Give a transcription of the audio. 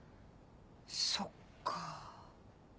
そっか。